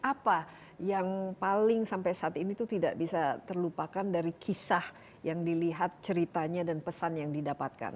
apa yang paling sampai saat ini itu tidak bisa terlupakan dari kisah yang dilihat ceritanya dan pesan yang didapatkan